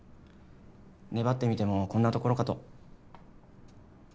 粘ってみてもこんなところかと。